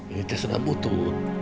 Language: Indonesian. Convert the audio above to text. ini terserah butuh